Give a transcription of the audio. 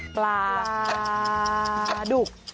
ปลาดุก